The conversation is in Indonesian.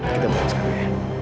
kita berangkat sekarang ya